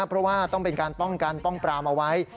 เพราะว่าต้องเป็นการป้องกันป้องปรามเอาไว้